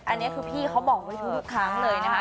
อันนี้คือพี่เขาบอกไว้ทุกครั้งเลยนะคะ